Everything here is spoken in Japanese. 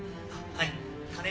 はい。